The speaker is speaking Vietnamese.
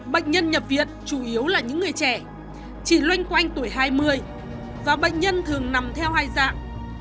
bệnh nhân nhập viện chủ yếu là những người trẻ chỉ loanh quanh tuổi hai mươi và bệnh nhân thường nằm theo hai dạng